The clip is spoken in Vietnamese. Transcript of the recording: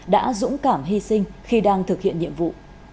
đã dũng cảm hy sinh khi đang thực hiện nhiệm vụ